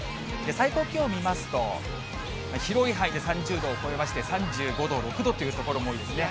最高気温見ますと、広い範囲で３０度を超えまして、３５度、６度という所も多いですね。